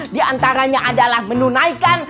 diantaranya adalah menunaikan